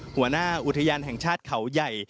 หัวหน้าอุทยานแห่งชาติเขาใหญ่